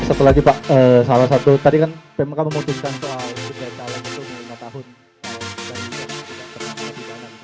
setelah dipake salah satu tadi kan memang kamu memutuskan soal kita calon itu lima tahun